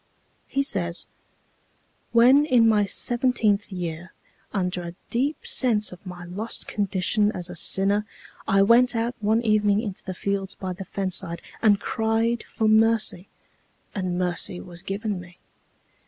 He says: "When in my seventeenth year, under a deep sense of my lost condition as a sinner, I went out one evening into the fields by the fence side, and cried for mercy, and mercy was given me.